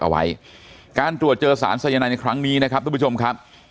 เอาไว้การตรวจเจอสารสายนายในครั้งนี้นะครับทุกผู้ชมครับ